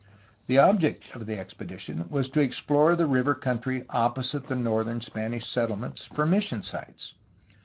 The object of the expedition was to explore the river country opposite the northern Spanish settlements for mis sion sites.